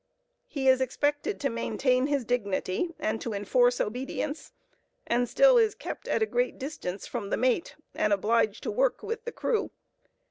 He is expected to maintain his dignity and to enforce obedience, and still is kept at a great distance from the mate, and obliged to work with the crew.